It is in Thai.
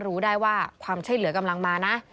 รู้ได้ว่าความช่วยเหลือกำลังมานะ